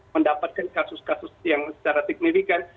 mendapatkan kasus kasus yang secara signifikan